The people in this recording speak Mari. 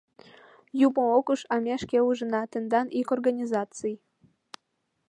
Юмо ок уж, а ме шке ужына: тендан ик организаций...